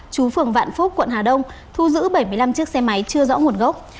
chú phường vạn phúc quận hà đông thu giữ bảy mươi năm chiếc xe máy chưa rõ nguồn gốc